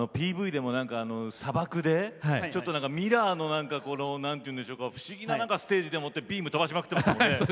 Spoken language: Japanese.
ＰＶでもなんか砂漠でちょっとミラーの何ていうんでしょうか不思議なステージでもってビーム飛ばしまくってますよね。